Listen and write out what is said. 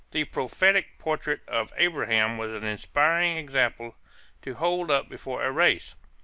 The prophetic portrait of Abraham was an inspiring example to hold up before a race.